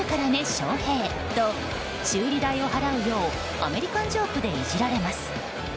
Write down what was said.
ショウヘイと修理代を払うようアメリカンジョークでいじられます。